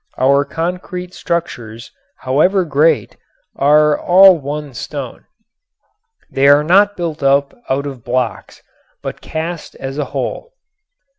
Our concrete structures, however great, are all one stone. They are not built up out of blocks, but cast as a whole.